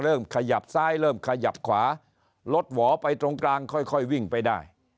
เริ่มขยับซ้ายเริ่มขยับขวารถหวอไปตรงกลางค่อยวิ่งไปได้